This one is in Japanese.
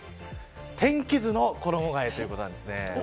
天気図の衣替えということなんですね。